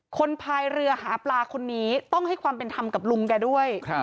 พายเรือหาปลาคนนี้ต้องให้ความเป็นธรรมกับลุงแกด้วย